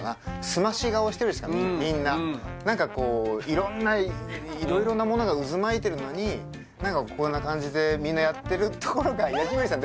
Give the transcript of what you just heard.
すまし顔してるみんななんかこういろんな色々なものが渦巻いてるのになんかこんな感じでみんなやってるところがヤジマリー。